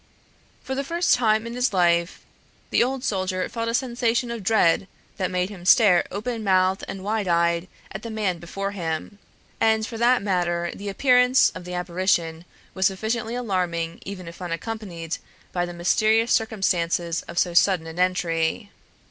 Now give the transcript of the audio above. For the first time in his life the old soldier felt a sensation of dread that made him stare open mouthed and wide eyed at the man before him; and for that matter, the appearance of the apparition was sufficiently alarming even if unaccompanied by the mysterious circumstances of so sudden an entry.